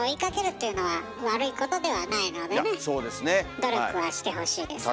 努力はしてほしいですね。